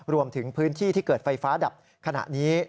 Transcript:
รวมถึงพื้นที่ที่เกิดไฟฟ้าดับขณะนี้